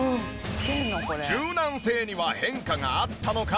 柔軟性には変化があったのか？